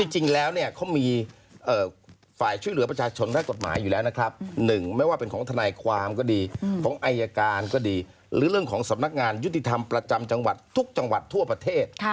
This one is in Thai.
จริงแล้วเนี่ยเขามีฝ่ายช่วยเหลือประชาชนด้านกฎหมายอยู่แล้วนะครับ๑ไม่ว่าเป็นของทนายความก็ดีของอายการก็ดีหรือเรื่องของสำนักงานยุติธรรมประจำจังหวัดทุกจังหวัดทั่วประเทศ